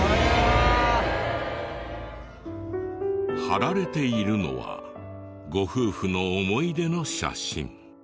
貼られているのはご夫婦の思い出の写真。